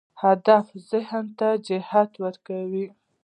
هدف ذهن ته جهت ورکوي.